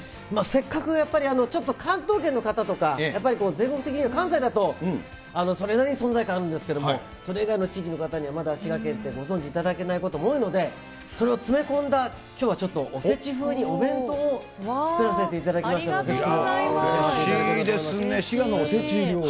せっかく、やっぱりちょっと関東圏の方とか、やっぱり全国的には関西だと、それなりに存在感あるんですけれども、それ以外の地域の方には、まだ滋賀県って、ご存じいただけないことも多いので、それを詰め込んだきょうはちょっとおせち風に、お弁当を作らせていただきましたので。